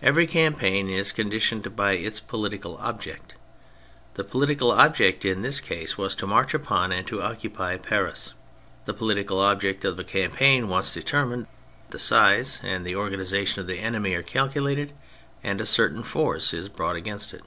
Every campaign is conditioned by its political object. The political object in this case was to march upon and to occupy Paris. The political object of a campaign once deter mined, the size and the organisation of the enemv are calculated and a certain force is brought against it.